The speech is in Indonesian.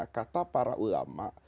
kata para ulama